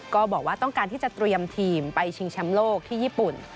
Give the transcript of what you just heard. ก็บอกว่าต้องการที่จะเตรียมทีมไปชิงแชมป์โลกที่ญี่ปุ่น